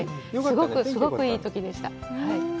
すごくすごくいいときでした。